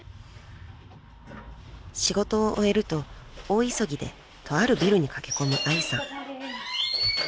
［仕事を終えると大急ぎでとあるビルに駆け込む愛さん］